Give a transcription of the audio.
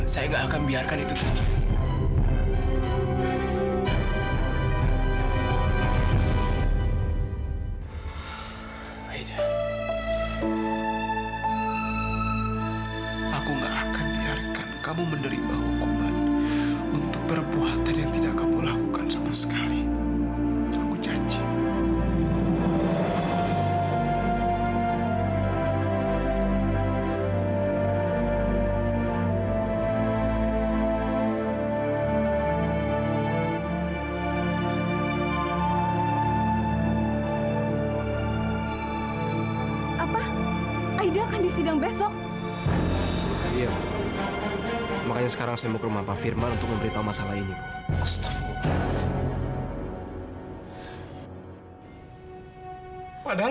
sampai jumpa di video selanjutnya